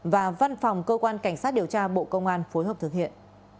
và văn phòng cơ quan cảnh sát điều tra bộ công an phối hợp thực hiện